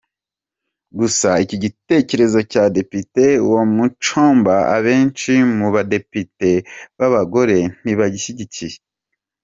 Gusa iki gitekerezo cya Depite Wamuchomba abenshi mu Badepite b’abagore ntibagishyigikiye.